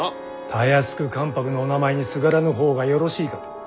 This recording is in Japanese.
たやすく関白のお名前にすがらぬ方がよろしいかと。